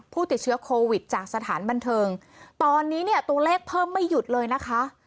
ผู้ติดเชื้อโควิดจากสถานบันเทิงตอนนี้เนี่ยตัวเลขเพิ่มไม่หยุดเลยนะคะ